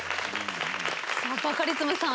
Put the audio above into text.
バカリズムさん